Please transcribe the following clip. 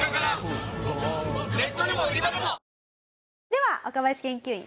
では若林研究員